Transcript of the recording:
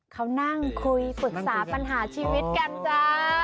เขานั่งคุยปรึกษาปัญหาชีวิตกันจ้า